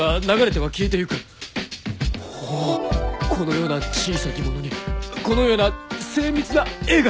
おおこのような小さきものにこのような精密な絵が！